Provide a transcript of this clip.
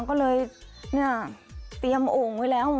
ก็เลยนี่อ่ะเตรียมอกไว้แล้ว